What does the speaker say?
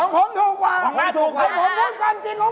ของหน้าถูกว่า